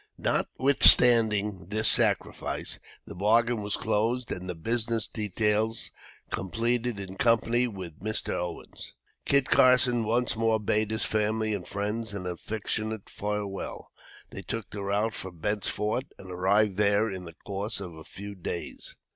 Notwithstanding this sacrifice, the bargain was closed and the business details completed. In company with Mr. Owens, Kit Carson once more bade his family and friends an affectionate farewell. They took the route for Bent's Fort, and arrived there in the course of a few days.